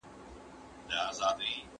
مناسب خواړه انرژي زیاتوي.